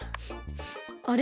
あれ？